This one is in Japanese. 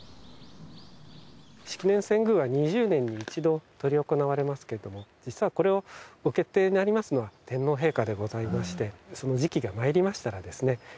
式年遷宮は２０年に一度執り行われますけれども実はこれをご決定になりますのは天皇陛下でございましてその時期がまいりましたらですね